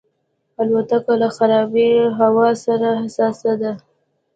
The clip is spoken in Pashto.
الوتکه له خرابې هوا سره حساسه ده.